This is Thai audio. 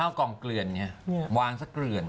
เข้ากล่องเกลือนเนี่ยวางซะเกลือน